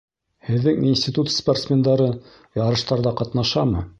Һеҙҙең институт спортсмендары ярыштарҙа ҡатнашамы?